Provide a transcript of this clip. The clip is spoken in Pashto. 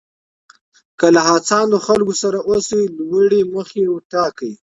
که له هڅاندو خلکو سره اوسئ لوړې موخې ټاکئ.